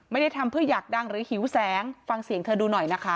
ไม่ได้ทำเพื่ออยากดังหรือหิวแสงฟังเสียงเธอดูหน่อยนะคะ